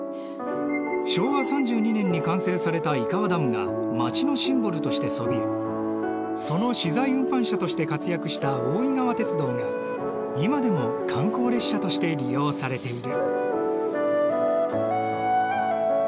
昭和３２年に完成された井川ダムが町のシンボルとしてそびえその資材運搬車として活躍した大井川鉄道が今でも観光列車として利用されている。